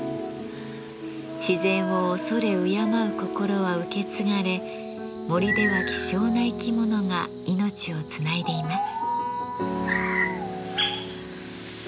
自然を畏れ敬う心は受け継がれ森では希少な生き物が命をつないでいます。